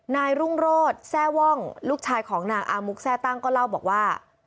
นายรุ่งโรธแซ่ว่องลูกชายของนางอามุกแทร่ตั้งก็เล่าบอกว่า